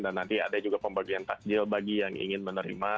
dan nanti ada juga pembagian tajil bagi yang ingin menerima